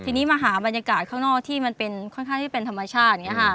ทีนี้มาหาบรรยากาศข้างนอกที่มันเป็นค่อนข้างที่เป็นธรรมชาติอย่างนี้ค่ะ